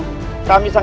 akhirnya raden pulang